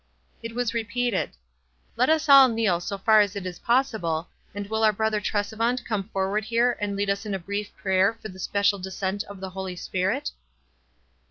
It was repeated : "Let us all kneel so far as it is possible, and will our Brother Tresevant come forward here and lead us in a brief prayer for the special descent of the Holy Spirit?"